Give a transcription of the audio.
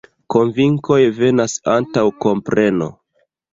Konvinkoj venas antaŭ kompreno.